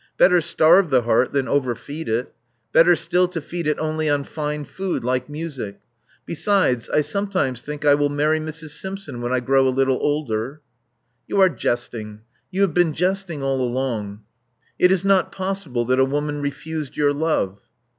Better Starve the heart than overfeed it. Better still to feed it only on fine food, like musicj Besides, I sometimes think I will marry Mrs. Simpson when I grow a little older." *' You are jesting: you have been jesting all along. It is not possible that a woman refused your love."